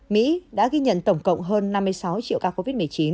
mỹ đã ghi nhận tổng cộng hơn năm mươi sáu triệu ca covid một mươi chín